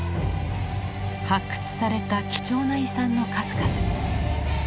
発掘された貴重な遺産の数々。